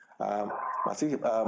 masih orang masih menyerang